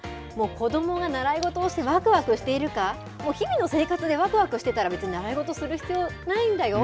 子どもが習い事をしてわくわくしているか、日々の生活でわくわくしてたら、別に習い事する必要ないんだよ。